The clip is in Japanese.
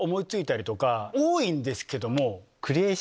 多いんですけども。